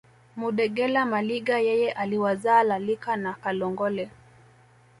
Mudegela Maliga yeye aliwazaa Lalika na Kalongole